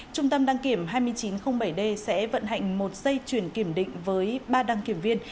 trung tâm đăng kiểm hai nghìn chín trăm linh bảy d sẽ vận hành một dây chuyển kiểm định với ba đăng kiểm viên